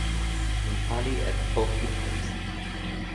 mi pali e poki pasila.